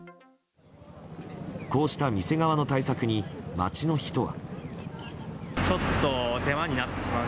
こうした店側の対策に街の人は。